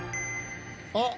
あっ。